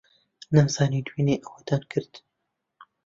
نەمزانی دوێنێ ئەوەتان کرد.